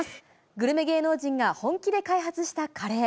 グルメ芸能人が本気で開発したカレー。